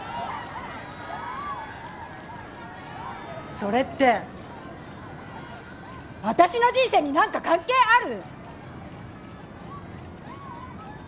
それって私の人生に何か関係ある！？